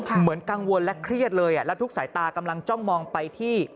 เหมือนกังวลและเครียดเลยและทุกสายตากำลังจ้องมองไปที่